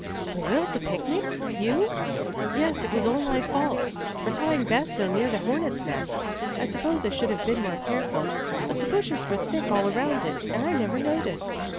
"Spoiled the picnic? You?" "Yes, it was all my fault, for tying Bess so near that hornets' nest. I suppose I should have been more careful, but the bushes were thick all around it, and I never noticed."